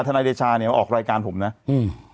นายเดชาเนี่ยมาออกรายการผมนะอืม